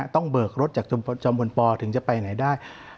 เบิกรถจากจอมพลปถึงจะไปไหนได้